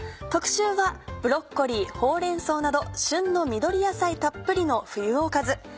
特集はブロッコリーほうれん草など旬の緑野菜たっぷりの冬おかず。